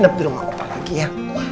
inap dirumah opa lagi ya